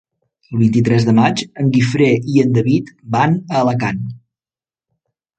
El vint-i-tres de maig en Guifré i en David van a Alacant.